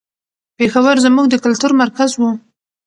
پېښور زموږ د کلتور مرکز و.